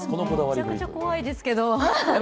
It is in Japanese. めちゃめちゃ怖いですけど。